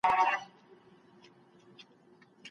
ایا د ږیري خاوند ډنډ ته د چاڼ ماشین وړي؟